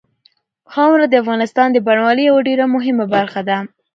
خاوره د افغانستان د بڼوالۍ یوه ډېره مهمه برخه ده.